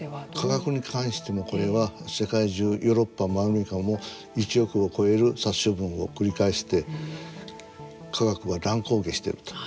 価格に関しても、これは世界中、ヨーロッパもアメリカも１億を超える殺処分を繰り返して価格が乱高下していると。